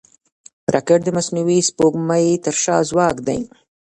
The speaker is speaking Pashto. راکټ د مصنوعي سپوږمکۍ تر شا ځواک دی